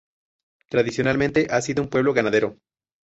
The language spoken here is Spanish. Tradicionalmente ha sido un pueblo ganadero.